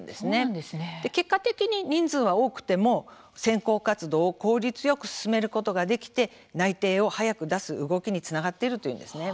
結果的に人数は多くても選考活動を効率よく進めることができて内定を早く出す動きにつながっているというのです。